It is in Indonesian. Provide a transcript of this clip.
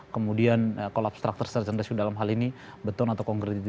kemudian kolobstrakter search and rescue dalam hal ini beton atau kongret itu